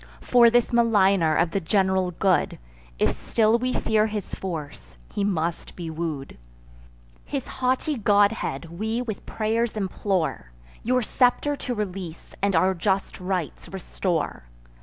For this maligner of the general good, If still we fear his force, he must be woo'd; His haughty godhead we with pray'rs implore, Your scepter to release, and our just rights restore.